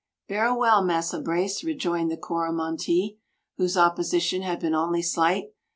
"Berra well, Massa Brace," rejoined the Coromantee, whose opposition had been only slight.